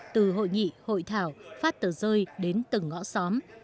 từ hội nghị hội thảo phát tờ rơi đến từng ngõ xóm